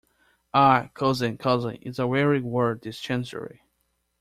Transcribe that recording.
Ah, cousin, cousin, it's a weary word this Chancery!